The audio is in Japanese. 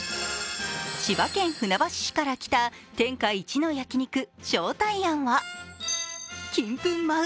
千葉県船橋市から来た天下一の焼肉将泰庵は金粉舞う！